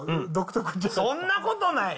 そんなことない。